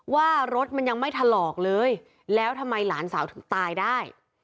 ว่ารถมันยังไม่ถลอกเลยแล้วทำไมหลานสาวถึงตายได้